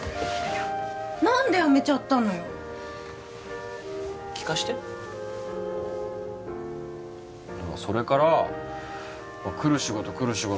何でやめちゃったのよ聞かせてああそれからくる仕事くる仕事